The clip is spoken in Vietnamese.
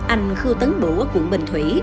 anh khưu tấn bửu ở quận bình thủy